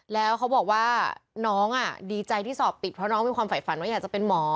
แล้วเขาบอกว่าน้องดีใจที่สอบติดเพราะน้องมีความฝ่ายฝันว่าอยากจะเป็นหมอ